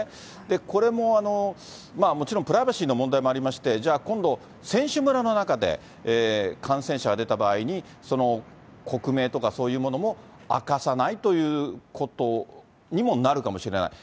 これも、もちろんプライバシーの問題もありまして、じゃあ、今度選手村の中で感染者が出た場合に、その国名とか、そういうものも明かさないということにもなるかもしれない。